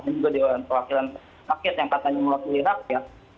dan juga di orang orang perwakilan rakyat yang katanya mewakili rakyat